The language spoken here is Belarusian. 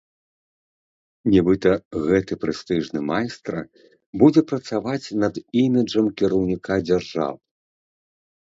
Нібыта, гэты прэстыжны майстра будзе працаваць над іміджам кіраўніка дзяржавы.